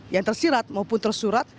yang tersirat maupun tersurat